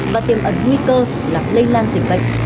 và tiềm ẩn nguy cơ là lây lan dịch bệnh